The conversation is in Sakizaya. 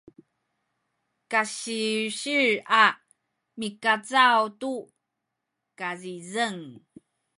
kasilsil a mikacaw tu kazizeng